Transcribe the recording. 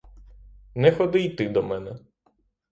Не ходи й ти до мене!